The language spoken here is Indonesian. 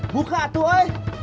buka tuh eh